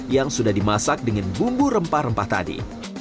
yang sudah dimasak dengan bumbu rempah rempah tadi